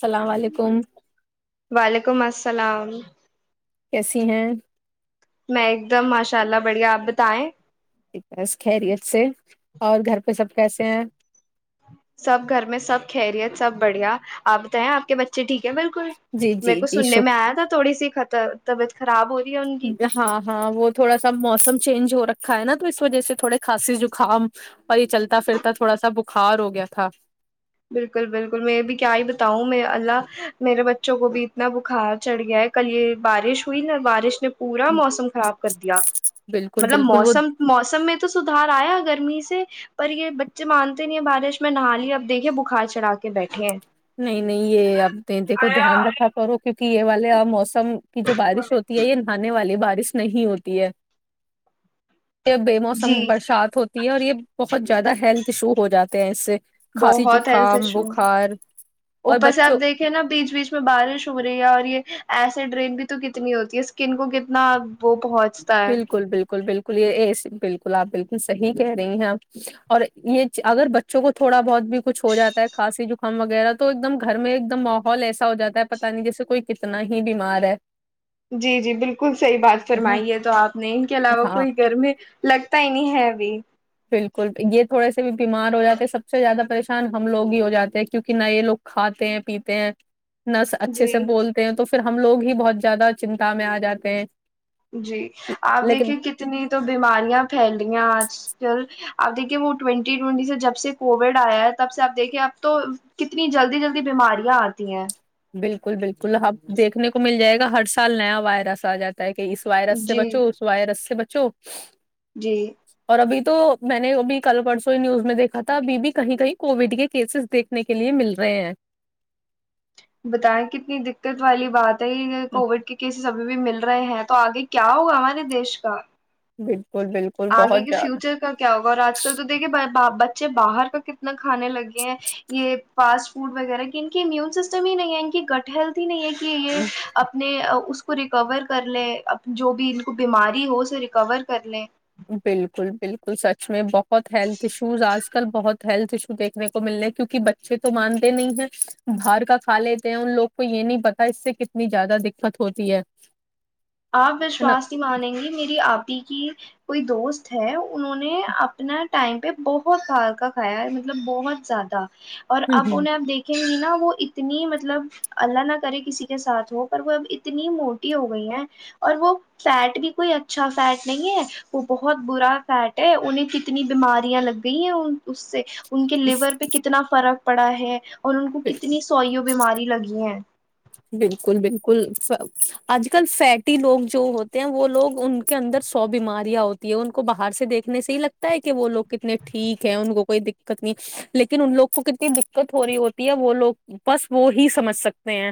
السلام علیکم وعلیکم الس سلام کیسی ہیں میں ایک دم ماشاء اللہ بڑھیا آپ بتائیں بس خیریت سے اور گھر پہ سب کیسے ہیں سب گھر میں سب خیریت سب بڑھیا آپ بتائیں آپ کے بچے ٹھیک بالکل جی میرے جی کو جی سننے میں آیا تھا تھوڑی سی خطر طبیعت خراب ہو رہی ہے ان کی ہاں ہاں وہ تھوڑا سا موسم چینج ہو رکھا ہے نا تو اس وجہ سے تھوڑے کھسی زکام پ یہ چلتا پھرتا تھوڑا سا بخار ہو گیا تھا بالکل بالکل میں بھی کیا ہی بتاؤں میں اللہ میرے بچوں کو بھی اتنا بخار چڑھ گیا ہے کل یہ بارش ہوئی نا بارش نے پورا موسم خراب کر دیا بالکل مطلب بالکل وہ موسم موسم میں تو ار آیا گرمی سے پر یہ بچے مانتے نہیں بارش میں نہااری اب دیکھیے بخار چڑھا کے بیٹھے ہیں نہیں نہیں یہ اب د دے کو دھیان رکھا کرو کی پیے والے اور موسم م کی جو بارش ہوتی ہے یہ ن نہانے والی بارش س نہیں ہوتی ہے یہ بے موسم جی برسات ہوتی ہے اور یہ بہت زیادہ ہیلتھ ایشو ہو جاتے ہیں اس سے کھانسی بہت ہیلتھ زکام ایشو بخار اور اوپر سے آپ بچوں دیکھے نا بیچ بیچ میں بارش ہو رہی ہے اور یہ ایسڈ رن بھی تو کتنی ہوتی ہے اسکن کو کتنا وہ پہنچتا ہے بالکل بالکل بالکل یہ یہ س بالکل آپ بالکل صحیح کہہ رہی ہیں آپ اور یہ اگر بچوں کو تھوڑا بہت بھی کچھ ہو جاتا ہے کھانسی جکام وغیرہ تو ایک دم گھر میں ایک دم ماحول ایسا ہو جاتا ہے پت نہیں جیسے کوئی کتنا ہی بیمار ہے جی جی بالکل صحیح بات ہم، فرمائیے تو آپ نے ان کے علاوہ ہاں کوئی گھر میں لگتا ہی نہیں ہے ابھی بالکل یہ تھوڑے سے بھی بیمار ہو جاتے ہیں سب سے زیادہ پریشان ہم لوگ ہی ہو جاتے ہیں کیونکہ نہ یہ لوگ کھاتے ہیں پیتے ہیں نس اچھے سے جی بولتے ہیں تو پھر ہم لوگ ہی بہت زیادہ چنتا میں آ جاتے ہیں جی آپ لیکن دیکھیے کتنی تو بیماریاں پھیل رہیا آج کل اپ دیکے وہ ٹوینٹی ٹوینٹی سے جب سے کووڈ آیا ہے تب سے آپ دیکھیے اب تو کتنی جلدی جلدی بیماریاں آتی ہیں بالکل بالکل اب دیکھنے کو مل جائے گا ہر سال نیا وائرس آ جاتا کہ اس وائرس سے جی بچو اس وائرس سے بچ چو جی اور ابھی تو میں نے ابھی کل پرسوں نیوز میں دیکھا تھا ابھی بھی کہیں کہیں کووڈ کے کیسز دیکھنے کے لیے مل رہے ہیں بتائیں کتنی دقت والی بات کووڈ کے کیس ابھی بھی مل رہے ہیں تو آگے کیا ہوگا ہمارے دیش کا جی آگے کے فیوچر کا کیا ہوگا اور آج کل تو دیکھے ب بچے باہر کا کتنا کھانے لگے ہیں یہ فاسٹ فوڈ وغیرہ کی ان کے امیون سسٹم ہی نہیں ہے ان کی گٹ ہیلتھ ہی نہیں ہے کہ کہ یہ اپنے اس اس کو ریکور کر لیں جو بھی ان کو بیماری ہو اسے ریکور کر لیں بالکل بالکل سچ میں بہت بہت ہیلتھ ایشوز آج آج کل بہت ہیلتھ ایشو دیکھنے کو مل رہ ہے کیونکہ بچے تو مانتے نہیں ہیں باہر کا کھا لیتے ہیں ان لوگ کو یہ نہیں پتا اس سے کتنی زیادہ دقت ہوتی ہے آپ ہے نا وشواس نہیں مانیں گی میری آپ کی کوئی دوست ہے انہوں نے اپنا ٹائم پہ بہت باہر کھایا ہے مطلب بہت زیادہ اور ہ اب انہیں آپ دیکھیں گی نہ وہ اتنی مطلب اللہ نہ کرے کسی کے ساتھ ہو پر وہ اب اتنی موٹی ہو گئی ہیں اور وہ فیٹ بھی کوئی اچھا فیٹ نہیں ہے وہ بہت برا فیٹ ہے انہیں کتنی بیماریاں لگ گئی ہیں اس سے ان کے لیور پہ کتنا فرق پڑا ہے اور ان کو ہ کتنی سوائیو بیماری لگی ہیں بالکل بالکل آج کل فیٹی لوگ جو ہوتے ہیں وہ لوگ ان کے اندر سو بیماریاں ہوتی ہے ان کو باہر سے دیکھنے سے ہی لگتا ہے کہ وہ لوگ کتنے ٹھیک ہیں ان کو کوئی دقت نہیں لیکن ان لوگ کو کتنی دقت ہو رہی ہوتی ہے وہ لوگ بس وہ ہی سمجھ سکتے ہیں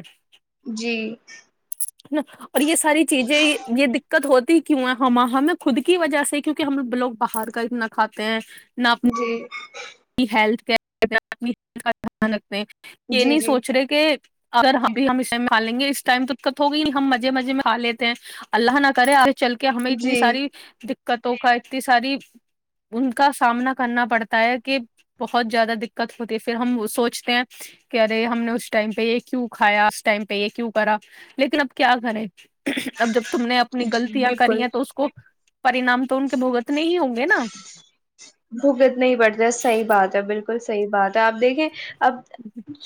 جی نہ اور یہ ساری چیزیں یہ دقت ہوتی کیوں ہے ہم ہمیں خود کی وجہ سے کیونکہ ہم لوگ باہر کا اتنا کھاتے ہیں نہ اپنے جی ہیلتھ کا دھیان رکھتے ہیں یہ جی نہیں جی سوچ رہے کہ اگر ہم بھی ہم اس ٹائم کھا لیں گے اس ٹائم تو دقت ہوگی نہیں ہم مزے مزے میں ہا لیتے ہیں اللہ نہ کرے چل کے ہمیں اتنی جی ساری دقتوں کا اتنی ساری ان کا سامنا کرنا پڑتا ہے کہ بہت زیادہ دقت ہوتی ہے پھر ہم سوچتے ہیں کہ ارے ہم نے اس ٹائم پہ یہ کیوں کھایا اس ٹائم پہ یہ کیوں کرا لیکن اب کیا کریں اب جب تم نے اپنی جی غلطیاں کری بالکل ہیں تو اس کو پری نام تو ان کے بھگت نہیں ہی ہوگے بوگت نہیں بڑتا صحیح بات ہے بہ بالکل صحیح بات ہے آپ دیکھے اب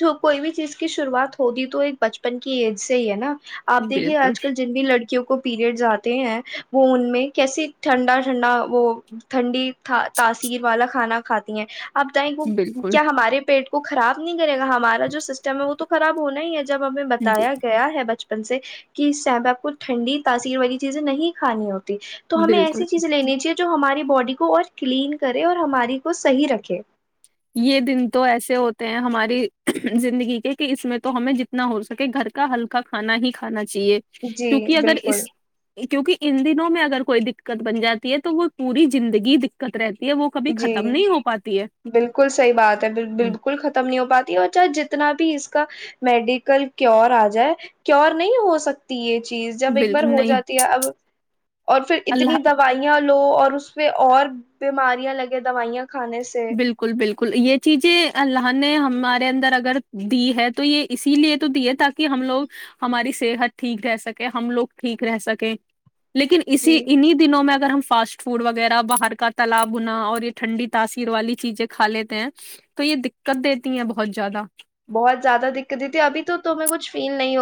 جو کوئی بھی چیز کی شروعات ہوتی تو ایک بچپن کی ایج سے ہی ہے نا آپ دیکھیے بالکل آج کل جن بھی لڑکی کو پیریڈس آتے ہیں وہ ان میں کیسے ٹھنڈا ٹھنڈا وہ ٹھنڈی تاثیر والا کھانا کھاتی ہیں آپ بتائیں گے بالکل کیا ہمارے پیٹ وہ خراب نہیں کرے گ ہمارا جو سسٹم ہے وہ تو خراب ہونا ہی ہے جب ہمیں بتایا گیا ہے بچپن سے کہ اس ٹائم پہ آپ کو ٹھنی تاثیر والی چیزیں نہیں کھانی ہوتی تو ہمیں بالکل ایسی چیز لینی چاہے جو ہماری باڈی کو اور کلین کرے اور ہماری کو صحیح رکھے یہ دن تو ایسے ہوتے ہیں ہماری زندگی کے کہ اس میں تو ہمیں جتنا ہو سکے گھر کا ہلکا کھانا ہی کھانا چاہے چاہیے جی کیونکہ اگر بالکل اس کیونکہ ان دنوں میں اگر کوئی دقت بن جاتی ہے تو وہ پوری زندگی دقت رہتی یہ وہ کبھی جی ختم نہیں ہو پاتی ہے بالکل صحیح بات ہے بالکل ختم نہیں ہو پاتی اور چاہے جتنا بھی اس کا میڈیکل کیور آ جائے کیور نہیں ہو سکتی یہ تو چیز جب ایک بار بالکل ہو نہیں جاتی ہے اب اور پھر اللہ اتنی دوائیاں لو اور اس پہ اور بیماری لگے دوائییا بالکل بالکل یہ چیزیں اللہ نے ہم ہمارے اندر اگر دی ہے تو یہ اسی لیے تو دی ہے تاکہ ہم لوگ ہماری صحت ٹھیک رہ سکے ہم لوگ ٹھیک رہ سکیں لیکن اسی جی انیں دنوں میں اگر [inaudible] ر والی چیزیں کھا لیتے ہیں تو یہ دقت دیتی ہیں بہت زیادہ بہت زیادہ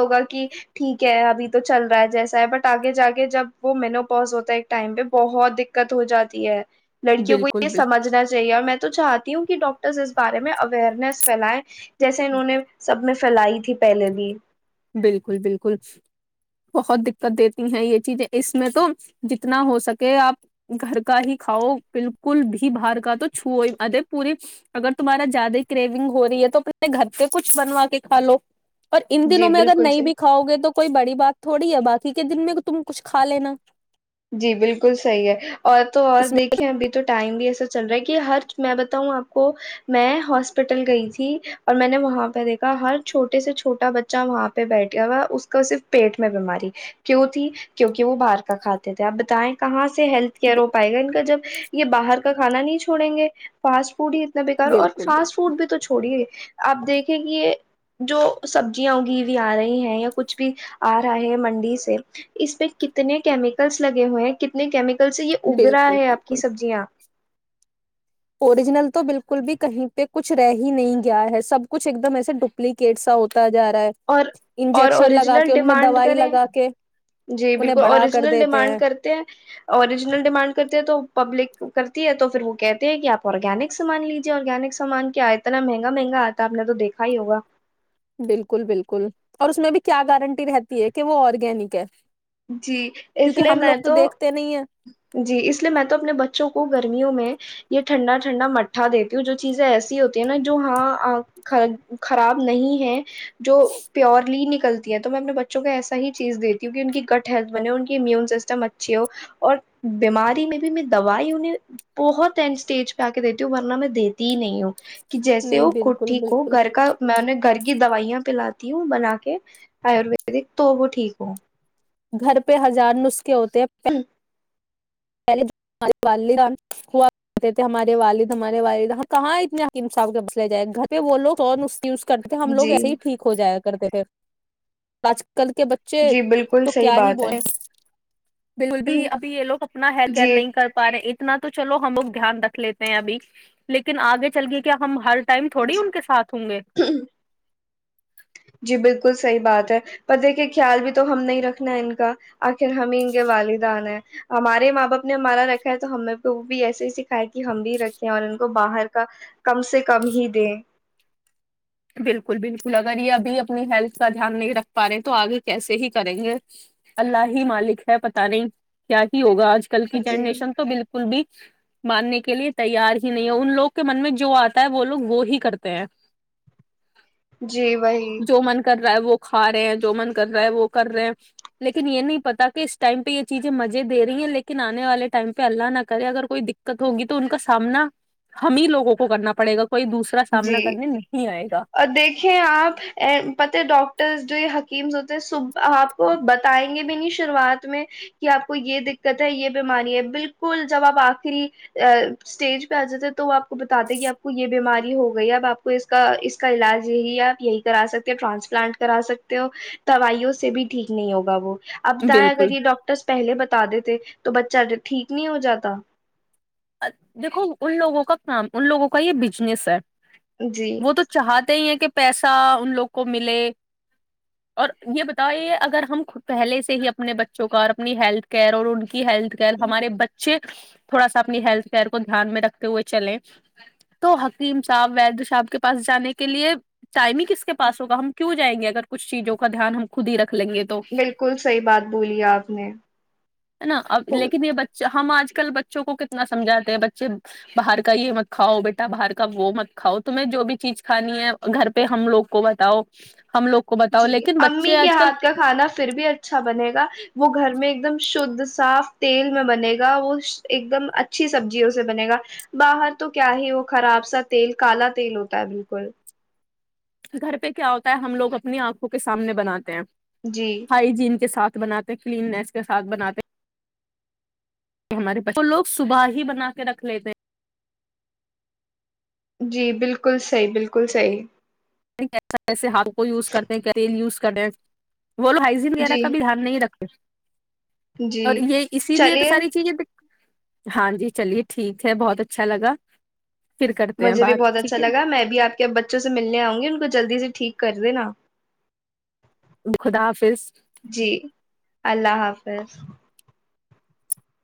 ہوا کہ ٹھیک ہے ابھی تو چل رہا ہے جیسا ہے بٹ آگے جا کے جب وہ مینو پوز ہوتا ہے ایک ٹائم پہ بہت دقت ہو جاتی ہے لڑکیوں کو بالکل یہ بال سمجھنا چاہیے اور میں تو چاہتی ہوں کہ ڈاکٹر بارے میں اویئرنیس فھیلائے ج جیسے انہوں نے سب میں فھیلائی تھی پہلے بھی بالکل بالکل بہت دقت دیتی ہیں یہ چیزیں اس میں تو جتنا ہو سکے آپ گھر کا ہی کھاؤ بالکل بھی باہر کا تو چھوو اے پوری اگر تمہارا زیادہ کریونگ ہو رہی ہے تو اپنے گھر پہ کچھ بنوا کے کھا لو اور ان دنوں جی میں گر بالکل نہیں صحیح بھی کاؤ گے تو کوئی بڑی بات تھوڑی ہے باقی کے دن میں تم کچھ کھا لینا جی بالکل صحیح ہے اور تو اور اس دیکھیں ابھی تو ٹائم بھی ایسا چل رہا ہے کہ ہر میں بتاؤں آپ کو میں ہاسپٹل گئی تھی اور میں نے وہاں پہ دیکھا ہر چھوٹے سے چھوٹا بچہ وہاں پہ بیٹھ گیا ہوا اس کا صرف پیٹ میں بیماری کیوں تھی کیوں کہ وہ باہر کا کھاتا آپ بتائیں کہاں سے ہیلتھ میں کیئر ہو پائے گا ان کا جب یہ باہر کا کھانا نہیں چھوڑیں گے پاچ فوڈ ہی اتنا بالکل بیکار اور بالکل فاسٹ فوڈ بھی تو چھوڑی آپ دیکھیں کہ یہ جو سبزیاں اگی ہوئی آ رہی ہیں یا کچھ بھی آ رہا ہے منڈی سے اس میں کتنے کیم لگے ہوئے ہیں کتنے کیمکل کل سے یہ اگ رہا بالکل ہے آپ کی سبزیاں اوررییجنل تو بالکل بھی کہیں پہ کچھ رہ ہی نہیں گیا ہے سب کچھ ایک دم ایسے ڈوپلیکیٹ سا ہوتا جا رہا ہے اور اور انجیکشن لگا کے اوریجنل ان میں ڈیمانڈ دوائی کریں لگا کے جی انہیں بالکل بڑا کر اوریجنل دیتے ڈیمانڈ کرتے ہیں اوریجنل ڈیمانڈ کرتے ہیں تو پبلک کرتی ہے تو پھر وہ کہتے ہیں کہ آپ آرگینک سامان لیجیے آرگینک سامان کیا اتنا مہنگا مہنگا آتا ہے آپ نے تو دیکھا ہی ہوگا بالکل بالکل اور اس میں بھی کیا گارنٹی رہتی ہے کہ وہ آرگینک ہے جی اس کیونکہ لیے ہم میں لوگ تو دیکھتے نہیں ہیں جی اس لیے میں تو اپنے بچوں کو گرمیوں میں یہ ٹھنڈا ٹھنڈا مٹھا دیتی ہوں جو چیزیں ایسی ہوتی ہے نا جو ہاں خراب نہیں ہے جو پیورلی ن [inaudible] کرلتی ہیں تو میں اپنے بچوں کو ایا ہی چیز دیتی ہوں کہ ان کی [unintelligible] ک ہیلتھ بنے ہو ان کی امیون سسٹم اچھی ہو اور [inaudible] بیماری میں بھی میں دوائی انہیں بہت این اسٹیج پہ آ کے دیتی ہوں ورنہ میں دیتی ہی نہیں ہوں کہ جیسے نہیں وہ خود بالکل ٹھیک ہو بالکل گھر کا میں انیں گھر کی [inaudible] کی دوائیاں پلاتی ہوں بنا کے آیورویدک تو وہ ٹھیک ہو گھر پہ ہزار نسخے [inaudible] کیا ہوتے ہیں [inaudible] پہلے جو ہمارے والدہ ہوا کہتے تھے ہمارے والد ہمارے والدہ کہاں اتنے اکیم صاح کے مسلے جائے گھر پہ بولو اور اس [inaudible] کرتے ہم لوگ جی ایسے ہی ٹھیک ہو جائےا [unintelligible] کرتے پھر سچ [inaudible] کل کے بچے جی بالکل تو صحیح کیا ہی بات بولے [inaudible] بالکل ہے بھی ابھی یہ لگ اپنا ہیل [inaudible] جی کیا نہیں کر پا رہے [inaudible] اتنا تو چلو ہم لوگ دھیان رکھ لیتے ہیں ابھی لیکن آگے چل گ کیا ہم ہر [inaudible] ٹائم تھوڑی ان کے ساتھ ہوں گے [inaudible] جی بالکل صحیح بات ہے پ کہ خیال بھی تو ہم نہیں رکھنا ان کا آخر ہمیں ان کے والدان ہیں ہمارے ماں باپ نے ہمارا رکھا ہے تو ہمیں کو بھی ایسے ہی سکھایا کہ ہم بھی رکھیں اور ان کو باہر کا کم سے کم ہی دیں [inaudible] بالکل بالکل اگر یہ ابھی اپنی ہیلتھ کا دھیان نہیں رکھ پا رہے تو آگے کیسے ہی کریں گے اللہ ہی مالک ہے پتہ نہیں کیا ہی ہوگا [inaudible] کل کی جی جنریشن تو بالکل بھی [unintelligible] ماننے کے لیے تیار ہی نہیں ہے ان لوگ کے من میں جو آتا ہے وہ لوگ وہ ہی کرتے ہیں جی وہی [inaudible] جو من کر رہا وہ کھا رہے ہیں جو من کر رہا ہے وہ کر رہے ہیں لیکن یہ نہیں پتا کہ اس ٹائم پہ یہ چیزیں مزے دے رہی ہیں لیکن آنے والے ٹائم پہ اللہ نہ کرے اگر کوئی دقت ہوگی تو ان کا سامنا ہم ہی لوگوں کو کرنا پڑے گا کوئی دوسرا سامنا جی کرنے نہیں آئے گا دیکھیں آپ پتے ڈاکٹرز [unintelligible] جو یہ حکیمز ہوتے صبح آپ کو بتائیں گے بھی نہیں شروعات میں کہ آپ کو یہ دقت ہے یہ بیماری ہے بالکل جب آپ آخری اسٹیج پہ آ جاتے ہیں تو وہ آپ کو بتاتے کہ آپ کو یہ بیماری [unintelligible] ہو گئی اب آپ کو اس کا اس کا علاج یہی ہے آپ یہی کرا سکتے ہو ٹرانسپلانٹ کرا سکتے ہو دوائیوں سے بھی ٹھیک نہیں ہوگا وہ [unintelligible] ابتائیں اگر بالکل یہ ڈاکٹرس پہلے بتا [unintelligible] بتا دی تھے تو بچہ ٹھیک نہیں ہو جاتا [unintelligible] دیکھو ان لوگوں کا کام ان لوگوں کا یہ بزنس ہے [unintelligible] جی وہ تو چاہتی [unintelligible] ہیں کہ پیسہ ان لوگ کو ملے اور یہ بت اگر ہم پہلے سے ہی اپنے بچوں کا اور اپنی ہیلتھ کیئر اور ان [unintelligible] کی ہیلتھ کیئر ہمارے بچے [unintelligible] تھوڑا [inaudible] اپنی ہیلتھ کیئر کو دھیان میں رکھتے ہوئے چلیں تو حکیم صاحب وید صاحب کے پس جانے کے لیے ٹائم ہی کس کے پس ہوگا ہم کیوں جائیں گے اگر کچھ چیزوں کا دھیان ہم خود ہی رکھ [unintelligible] بالکل صحی بات بولی آپ نے ہے نا اب لیکن [unintelligible] یہ بچہ ہم آج کل بچوں کو ک سمجھاتے ہیں بچے باہر کا یہ مت کھاؤ بیٹا باہر کا وہ مت کھاؤ تمہیں جو بھی چیز کھانی ہے گھر پہ ہم لوگ کو بتاؤ ہم لوگ کو بتاؤ جی لیکن امی بچے کے آج کل ہاتھ کا کھانا پھر بھی اچھا بنے گا وہ گھر میں ایک دم شھ صاف تیل میں بنے گا وہ ایک دم اچھی سبزیوں سے بنے گا باہر تو کیا ہی وہ خراب سا تیل کالا تیل ہوتا ہے بالکل گھر پہ کیا ہوتا ہے ہم لوگ اپنی آنکھوں کے سامنے بناتے ہیں جی ہائیجین کے ساتھ بناتے کلینس کے ساتھ بناتے ہمارے پس تو لوگ صبح ہی بنا کے رکھ لیتے ہیں [unintelligible] جی بالکل صحیح بالکل صحیح ایسا وسے ہاتھ کو وز کرتے ہیں کیا یز کڈن وہولو ہائجین وغیرہ جی کا بھی دھیان نہیں رکھ [inaudible] اور جی یہ اسی لیے تو چلیے ساری چیزیں ہاں جی چلیے ٹھیک ہے بہت اچھا لگا پھر کرتے ہیں مجھے بھی بات بہت اچھا ٹھیک ہے لا میں بھی آپ کے بچوں سے ملنےؤ گی ان کو جلد سے ٹھیک کر د نا خدافظ ب